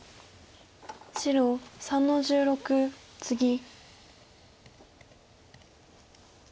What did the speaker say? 白３の十六ツギ。